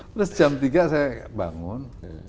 plus jam tiga saya bangun